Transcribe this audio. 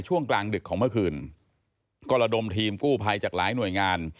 ช่วงกลางดึกของเมื่อคืนก็ระดมทีมกู้ภัยจากหลายหน่วยงาน